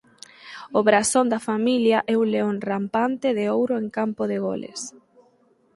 O brasón da familia é un león rampante de ouro en campo de goles.